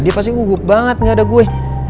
dia pasti gugup banget gak ada gue